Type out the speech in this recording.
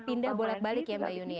pindah dan bolak balik ya mbak yuni ya